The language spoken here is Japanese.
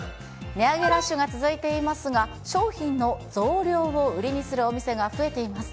値上げラッシュが続いていますが、商品の増量を売りにするお店が増えています。